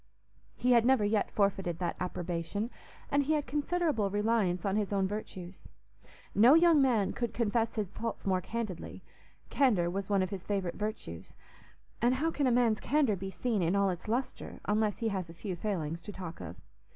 He had never yet forfeited that approbation, and he had considerable reliance on his own virtues. No young man could confess his faults more candidly; candour was one of his favourite virtues; and how can a man's candour be seen in all its lustre unless he has a few failings to talk of?